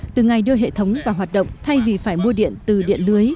từ ngày đưa hệ thống vào hoạt động thay vì phải mua điện từ điện lưới